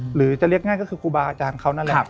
หรือจะเรียกง่ายก็คือครูบาอาจารย์เขานั่นแหละ